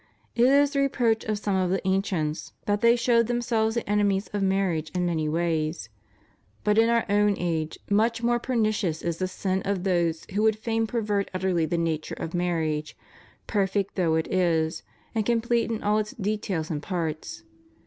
It is the reproach of some of the ancients that they showed ' Oper. torn. 1 col 455. CHRISTIAN MARRIAGE. 67 themselves the enemies of marriage in many ways; but in our own age, much more pernicious is the sin of those who would fain pervert utterly the nature of marriage, perfect though it is, and complete in all its details and parts.